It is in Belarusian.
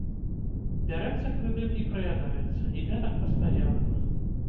Бярэцца крэдыт і праядаецца, і гэтак пастаянна.